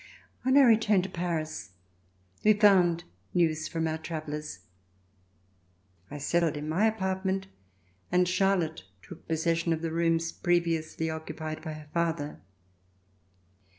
On our return to Paris, we found news from our travellers. I settled in my apartment and Charlotte took possession of the rooms previously occupied by her father.